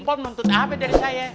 mbak muntut apa dari saya